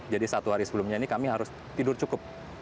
jadi satu hari sebelumnya ini kami harus tidur cukup